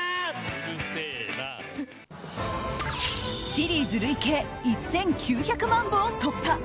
シリーズ累計１９００万部を突破。